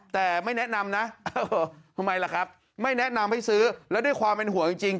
แต่ไม่แนะนำนะเออทำไมล่ะครับไม่แนะนำให้ซื้อแล้วด้วยความเป็นห่วงจริง